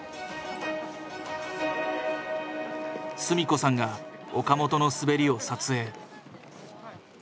純子さんが岡本の滑りを撮影。